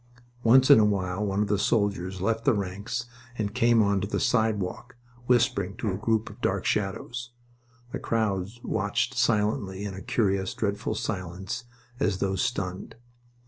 Once in a while one of the soldiers left the ranks and came on to the sidewalk, whispering to a group of dark shadows. The crowds watched silently, in a curious, dreadful silence, as though stunned.